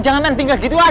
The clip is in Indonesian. jangan nanti gak gitu dong